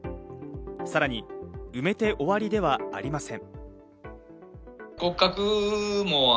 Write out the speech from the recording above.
さらに、埋めて終わりではありません。